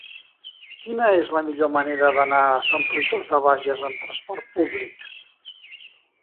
Quina és la millor manera d'anar a Sant Fruitós de Bages amb trasport públic?